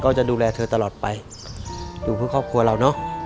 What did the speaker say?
จะดูแลเธอตลอดไปดูเพื่อครอบครัวเราเนอะ